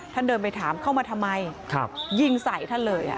เดินไปถามเข้ามาทำไมยิงใส่ท่านเลย